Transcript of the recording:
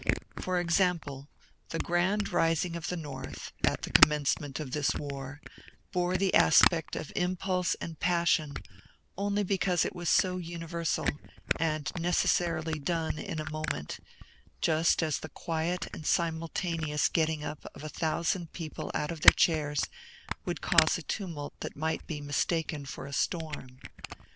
For example, the grand rising of the North, at the commencement of this war, bore the aspect of impulse and passion only because it was so universal, and necessarily done in a moment, just as the quiet and simultaneous getting up of a thousand people out of their chairs would cause a tumult that might be mistaken for a storm.